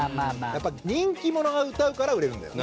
やっぱり人気者が歌うから売れるんだよ。